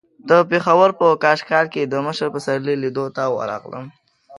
د پېښور په کاکشال کې د مشر پسرلي لیدو ته ورغلم.